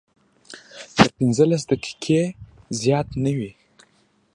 تر پنځلس دقیقې زیات نه وي.